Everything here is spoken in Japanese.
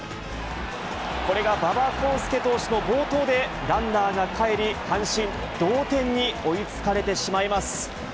これが馬場皐輔投手の暴投でランナーがかえり、阪神、同点に追いつかれてしまいます。